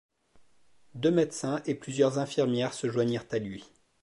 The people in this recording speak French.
Deux médecins et plusieurs infirmières se joignirent à lui.